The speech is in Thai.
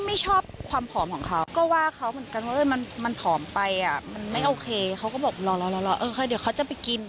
ไม่ชอบความผอมของเขาก็ว่าเขาเหมือนกันว่ามันผอมไปอ่ะมันไม่โอเคเขาก็บอกรอเออเดี๋ยวเขาจะไปกิน